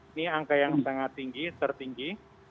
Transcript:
ini angka yang sangat tinggi tertinggi